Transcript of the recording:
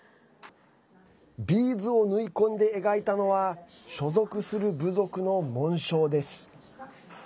ビーズを縫い込んで描いたのは所属する部族の紋章です。